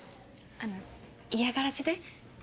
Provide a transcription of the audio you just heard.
あの嫌がらせで。